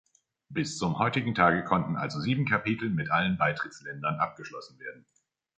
Bis zum heutigen Tage konnten also sieben Kapitel mit allen Beitrittsländern abgeschlossen werden.